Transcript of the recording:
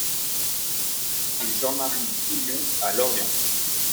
Rue Jean-Marie Toulliou à Lorient